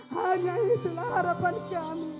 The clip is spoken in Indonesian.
hanya itulah harapan kami